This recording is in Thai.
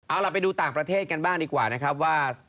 เอาล่ะไปดูต่างประเทศกันบ้างดีกว่านะครับว่า